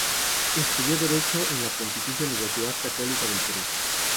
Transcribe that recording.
Estudió Derecho en la Pontificia Universidad Católica del Perú.